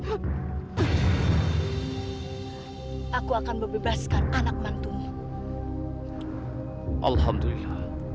ibu terpaksa harus menghentikan sepak terjangmu yang memusuhi manusia